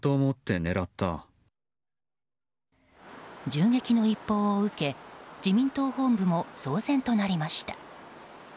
銃撃の一報を受け自民党本部も騒然となりました。